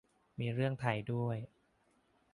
มีเรื่องไทยด้วย